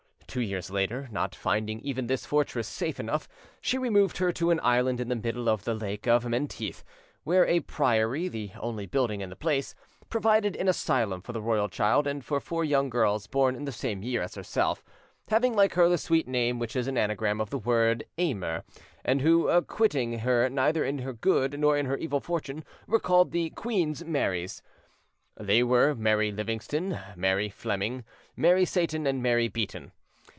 Two years later, not finding even this fortress safe enough, she removed her to an island in the middle of the Lake of Menteith, where a priory, the only building in the place, provided an asylum for the royal child and for four young girls born in the same year as herself, having like her the sweet name which is an anagram of the word "aimer," and who, quitting her neither in her good nor in her evil fortune, were called the "Queen's Marys". They were Mary Livingston, Mary Fleming, Mary Seyton, and Mary Beaton.